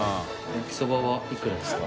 焼きそばはいくらですか？